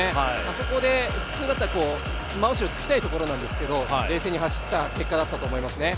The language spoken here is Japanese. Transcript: そこで普通だったら真後ろつきたいところなんですけど、冷静に走った結果だったと思いますね。